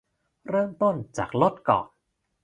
เริ่มต้นจากลดก่อน